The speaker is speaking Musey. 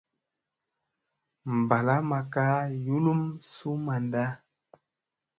Mbala makka yulum su manda.